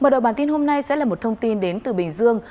mở đầu bản tin hôm nay sẽ là một thông tin đến từ bình dương